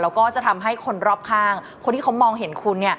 แล้วก็จะทำให้คนรอบข้างคนที่เขามองเห็นคุณ